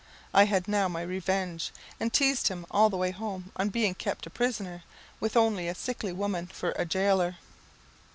I had now my revenge, and teased him all the way home on being kept a prisoner, with only a sickly woman for a jailor.